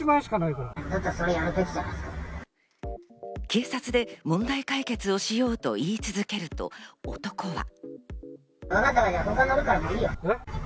警察で問題解決をしようと言い続けると、男は。